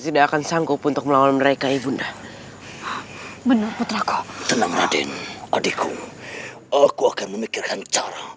tidak akan sanggup untuk melawan mereka ibunda menurut putraku tenang adikku aku akan memikirkan cara